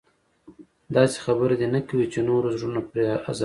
داسې خبره دې نه کوي چې نورو زړونه پرې ازارېږي.